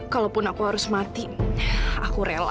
kalaupun aku harus mati aku rela